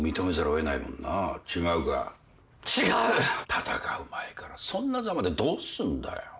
戦う前からそんなザマでどうすんだよ。